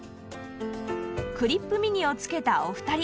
クリップ・ミニを着けたお二人